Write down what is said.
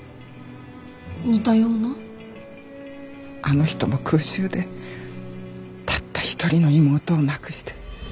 あの人も空襲でたった一人の妹を亡くして。